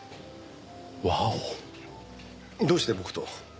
ワオどうして僕と？